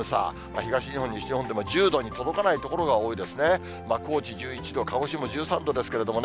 東日本、西日本でも１０度に届かない所が多いですね。